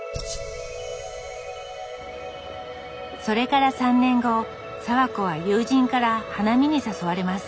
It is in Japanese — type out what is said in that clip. それから３年後早和子は友人から花見に誘われます。